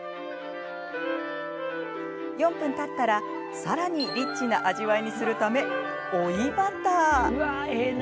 ４分たったらさらにリッチな味わいにするため追いバター。